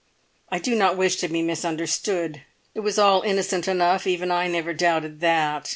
I do not wish to be misunderstood. It was all innocent enough, even I never doubted that.